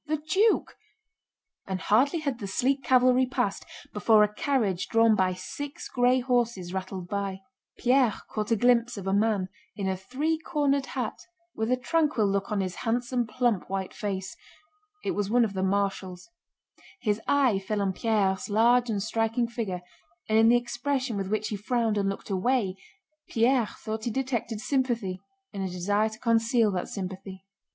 The Duke!" and hardly had the sleek cavalry passed, before a carriage drawn by six gray horses rattled by. Pierre caught a glimpse of a man in a three cornered hat with a tranquil look on his handsome, plump, white face. It was one of the marshals. His eye fell on Pierre's large and striking figure, and in the expression with which he frowned and looked away Pierre thought he detected sympathy and a desire to conceal that sympathy.